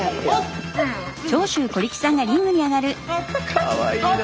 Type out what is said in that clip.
かわいいな。